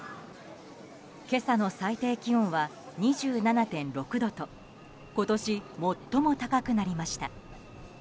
今朝の最低気温は２７．６度と今年最も高くなりました。